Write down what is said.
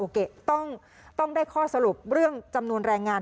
ต้องได้ข้อสรุปเรื่องจำนวนแรงงาน